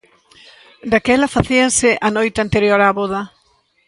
Daquela facíanse a noite anterior a voda.